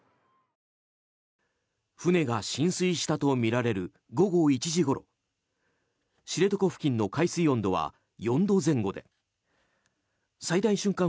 船が浸水したとみられる午後１時ごろ知床付近の海水温は４度前後で最大瞬間